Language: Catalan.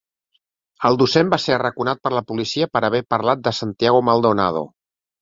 El docent va ser arraconat per la policia per haver parlat de Santiago Maldonado.